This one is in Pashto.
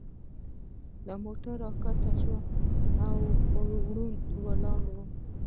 له موټره را کښته شوم او وړاندې ولاړم.